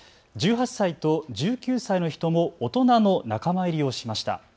１８歳と１９歳の人も大人の仲間入りをしました。